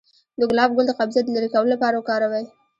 د ګلاب ګل د قبضیت د لرې کولو لپاره وکاروئ